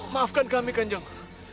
maafkan kami kanjeng